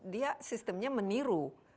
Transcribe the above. dia sistemnya meniru